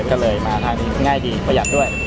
ก็เลยมาทางนี้ง่ายดีประหยัดด้วย